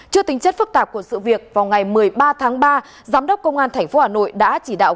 trước tính chất phức tạp của sự việc vào ngày một mươi ba tháng ba giám đốc công an tp hà nội đã chỉ đạo